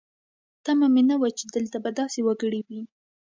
تمه مې نه وه چې دلته به داسې وګړي وي.